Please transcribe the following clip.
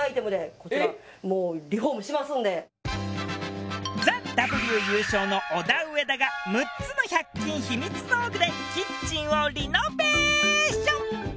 こちらもうＴＨＥＷ優勝のオダウエダが６つの１００均ひみつ道具でキッチンをリノベーション。